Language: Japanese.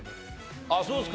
あっそうですか。